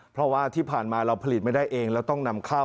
เพราะว่าที่ผ่านมาเราผลิตไม่ได้เองเราต้องนำเข้า